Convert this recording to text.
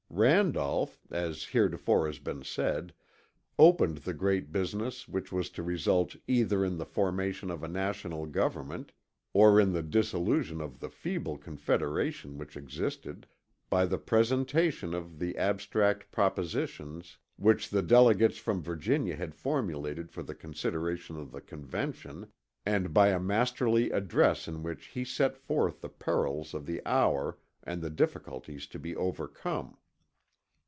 Randolph, as heretofore has been said, opened the great business which was to result either in the formation of a National government or in the dissolution of the feeble Confederation which existed, by the presentation of the abstract propositions which the delegates from Virginia had formulated for the consideration of the Convention, and by a masterly address in which he set forth the perils of the hour and the difficulties to be overcome.